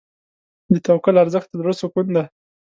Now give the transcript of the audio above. د توکل ارزښت د زړه سکون دی.